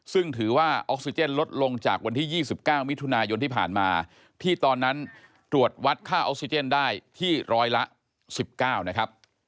ซึ่งถือว่าออกซิเจนลดลงจากวันที่๒๙มิถุนายนที่ผ่านมาที่ตอนนั้นตรวจวัดค่าออกซิเจนได้ที่ร้อยละ๑๙นะครับ